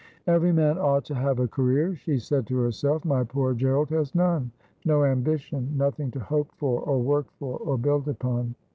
' Every man ought to have a career,' she said to herself. ' My poor G erald has none ; no ambition ; nothing to hope for, or work for, or build upon.